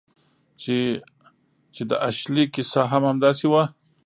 چې د اشلي کیسه هم همداسې وه